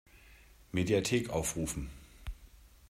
Mediathek aufrufen!